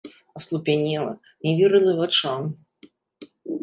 Аслупянела, не верыла вачам.